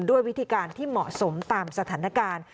ด้วยวิธีการที่เหมาะสมตามสถานการณ์